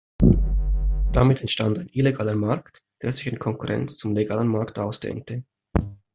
Damit entstand ein illegaler Markt, der sich in Konkurrenz zum legalen Markt ausdehnte.